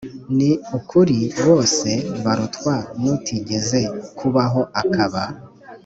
ni ukuri bose barutwa n utigeze kubaho akaba